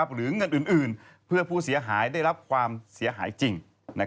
หรือเงินอื่นเพื่อผู้เสียหายได้รับความเสียหายจริง